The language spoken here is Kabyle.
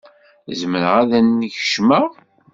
Zemreɣ ad n-kecmeɣ?